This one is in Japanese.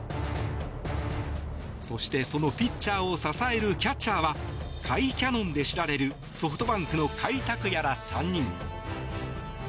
そして、そのピッチャーを支えるキャッチャーは甲斐キャノンで知られるソフトバンクの甲斐拓也ら３人。